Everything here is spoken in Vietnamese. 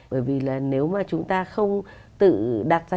bởi vì là nếu mà chúng ta không tự đặt ra